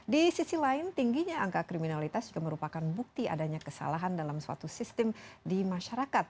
di sisi lain tingginya angka kriminalitas juga merupakan bukti adanya kesalahan dalam suatu sistem di masyarakat